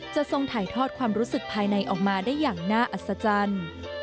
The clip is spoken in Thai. ทรงถ่ายทอดความรู้สึกภายในออกมาได้อย่างน่าอัศจรรย์